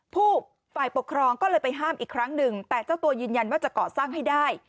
ฝ่ายปกครองก็เลยไปห้ามอีกครั้งหนึ่งแต่เจ้าตัวยืนยันว่าจะก่อสร้างให้ได้